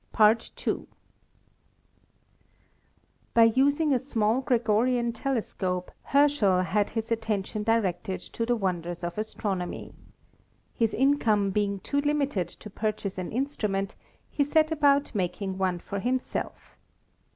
20 ASTRONOMY By using a small Gregorian telescope Herschel had his attention directed to the wonders of astronomy. His in come being too limited to purchase an instrument, he set about making one for himself.